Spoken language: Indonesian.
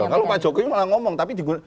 kalau pak jokowi malah ngomong tapi